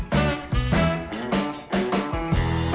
รับทราบ